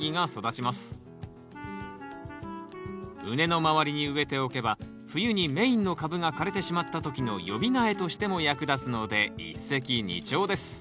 畝の周りに植えておけば冬にメインの株が枯れてしまった時の予備苗としても役立つので一石二鳥です